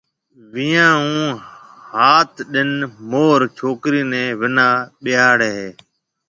وينيان ھون ھات ڏِن مور ڇوڪرِي نيَ وناھ ٻيھاݪي ھيََََ